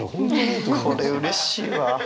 これうれしいわ。